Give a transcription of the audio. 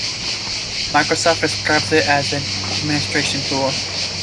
Microsoft describes it as an "administration tool".